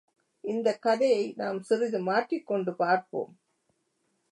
இந்தக் கதையை நாம் சிறிது மாற்றிக்கொண்டு பார்ப்போம்.